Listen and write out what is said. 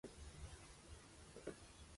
Se denominó así por Robert Brown, su jefe.